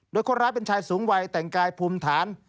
โดยคนร้ายเป็นชายสูงวัยแต่งกายภูมิฐาน